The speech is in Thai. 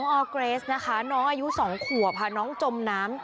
น้องออกกรนน้องอายุ๒ขัวพาน้องจมน้ำ